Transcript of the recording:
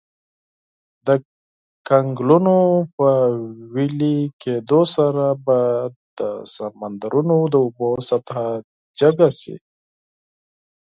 د کنګلونو په ویلي کیدو سره به د سمندرونو د اوبو سطحه جګه شي.